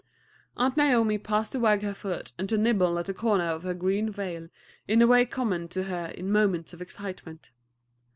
Aunt Naomi paused to wag her foot and to nibble at the corner of her green veil in a way common to her in moments of excitement.